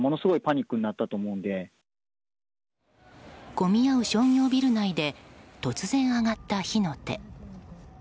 混み合う商業ビル内で突然上がった火の手。